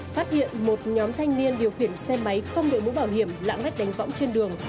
phát hiện một nhóm thanh niên điều khiển xe máy không đợi mũ bảo hiểm lãng rách đánh võng trên đường